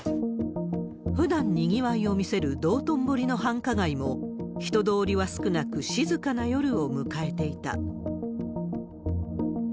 ふだんにぎわいを見せる道頓堀の繁華街も人通りは少なく、静かな夜を迎えていた。